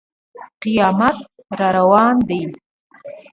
قیامت را روان دی.